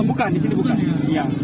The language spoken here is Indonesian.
bukan di sini bukan